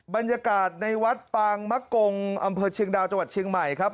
บรรยากาศในวัดปางมะกงอำเภอเชียงดาวจังหวัดเชียงใหม่ครับ